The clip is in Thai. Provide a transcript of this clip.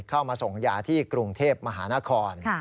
เข้ามาส่งยาที่กรุงเทพมหานคร